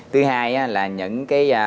thứ hai là những